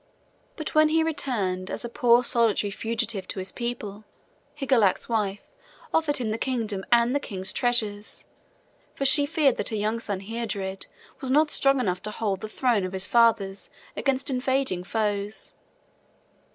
But when he returned as a poor solitary fugitive to his people, Hygd, Higelac's wife, offered him the kingdom and the king's treasures, for she feared that her young son Heardred was not strong enough to hold the throne of his fathers against invading foes.